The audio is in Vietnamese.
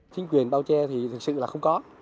chính quyền bao che thì thực sự là không có